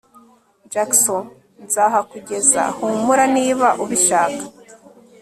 Jackson nzahakugeza humura niba ubishaka